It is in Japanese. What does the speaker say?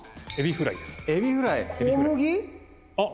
あっ！